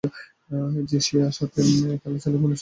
সে আসাতে খেলার ছেলেমানুষিটুকু যেন ঘুচিয়া গেল।